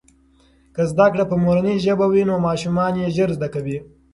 که زده کړې په مورنۍ ژبه وي نو ماشومان یې ژر زده کوي.